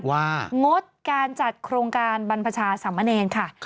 งดการจัดโครงการบรรพชาสามเณรค่ะ